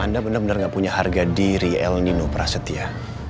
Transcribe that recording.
anda benar benar nggak punya harga diri el nino prasetya